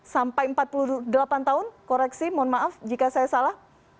sampai empat puluh delapan tahun koreksi mohon maaf jika saya salah